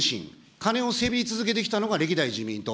金をせびり続けてきたのが歴代自民党。